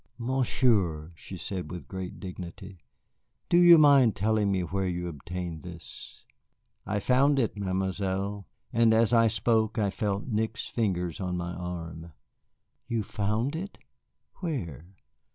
"Monsieur," she said with great dignity, "do you mind telling me where you obtained this?" "I found it, Mademoiselle," I answered; and as I spoke I felt Nick's fingers on my arm. "You found it? Where?